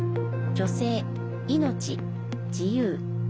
「女性・命・自由」。